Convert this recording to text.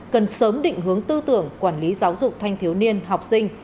cần sớm định hướng tư tưởng quản lý giáo dục thanh thiếu niên học sinh